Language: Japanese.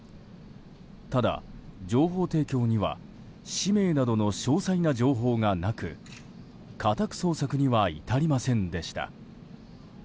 ただ、情報提供には氏名などの詳細な情報がなく家宅捜索には至りませんでした。